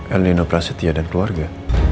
el nino prasetya dan keluarga